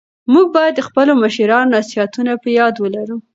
موږ بايد د خپلو مشرانو نصيحتونه په ياد ولرو.